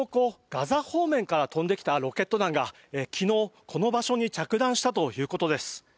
ガザ方面から飛んできたロケット弾が、昨日この場所に着弾したということです。